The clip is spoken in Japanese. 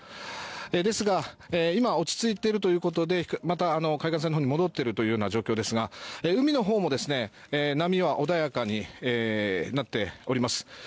ですが、今は落ち着いているということでまた、海岸線のほうに戻っているというような状況ですが海のほうも波は穏やかになっております。